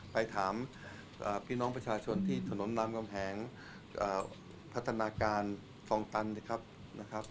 ไปถามพี่น้องประชาชนที่ถนนรามกำแหงพัฒนาการฟองตันนะครับ